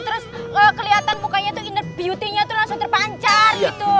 terus kelihatan mukanya tuh inner beauty nya tuh langsung terpancar gitu